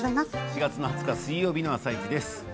４月２０日水曜日の「あさイチ」です。